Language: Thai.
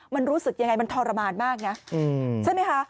มันรู้สึกยังไงมันทรมานมากนะใช่ไหมคะ